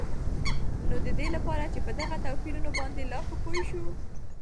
نو ددي لپاره چې په دغه توپيرونو باندي لا ښه پوه شو